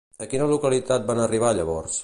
A quina localitat van arribar llavors?